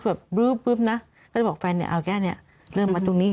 จะแบบเบอร์บเนอะก็จะบอกแฟนนี่เอาแกเนี้ยเริ่มมาตรงนี้เอง